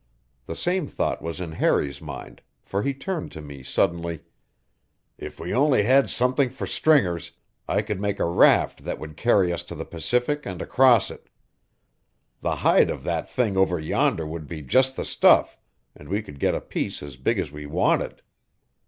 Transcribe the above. The same thought was in Harry's mind, for he turned to me suddenly: "If we only had something for stringers, I could make a raft that would carry us to the Pacific and across it. The hide of that thing over yonder would be just the stuff, and we could get a piece as big as we wanted."